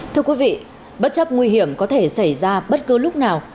thưa quý vị bất chấp nguy hiểm có thể xảy ra bất cứ lúc nào